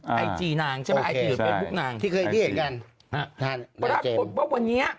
ไอจีนางใช่ไหมไอจีหรือเบอร์บุ๊คนางที่เคยเคยเห็นกันฮะฮะวันนี้